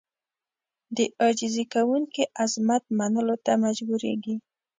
د عاجزي کوونکي عظمت منلو ته مجبورېږي.